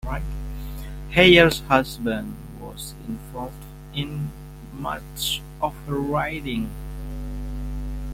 Heyer's husband was involved in much of her writing.